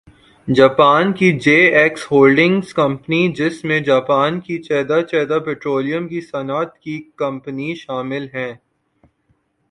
Japan کی J X holdings company جس میں جاپان کی چیدہ چیدہ پٹرولیم کی صنعت کی کمپنیز شامل ہیں